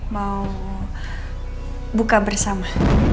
mau buka bersama